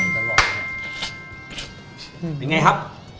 เป็นไงครับ